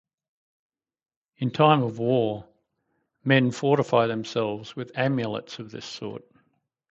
In time of war men fortify themselves with amulets of this sort.